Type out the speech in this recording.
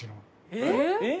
えっ！